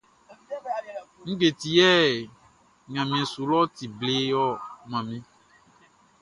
Ngue ti yɛ ɲanmiɛn su lɔʼn ti ble ɔ, manmi?